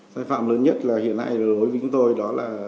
sai phạm lớn nhất là hiện nay đối với chúng tôi đó là